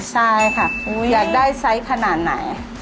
ใช่ค่ะอยากได้ไซส์ขนาดไหน